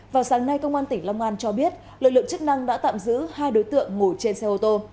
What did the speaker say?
vào sáng nay công an tỉnh long an cho biết lực lượng chức năng đã tạm giữ hai đối tượng ngủ trên xe ô tô